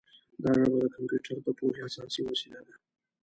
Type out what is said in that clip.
دا ژبه د کمپیوټر د پوهې اساسي وسیله ده.